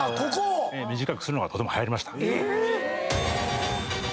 短くするのがとてもはやりました。